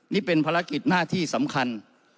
นี่เป็นภารกิจหน้าที่สำคัญ